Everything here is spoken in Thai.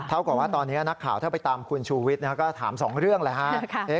เท่ากับว่าตอนนี้นักข่าวถ้าไปตามคุณชูวิทย์ก็ถาม๒เรื่องเลย